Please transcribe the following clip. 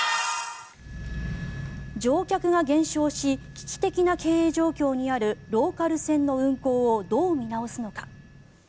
乗客が減少し危機的な経営状況にあるローカル線の運行をどう見直すのか。